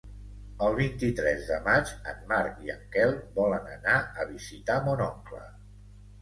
El vint-i-tres de maig en Marc i en Quel volen anar a visitar mon oncle.